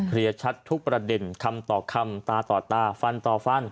เรียกชัดทุกประเด็นคำต่อคำตาต่อตาฟันต่อฟัน